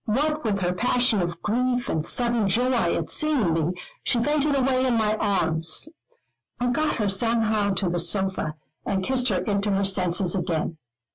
What with her passion of grief, and sudden joy, at seeing me, she fainted away in my arms. I got her somehow to the sofa, and kissed her into her senses again.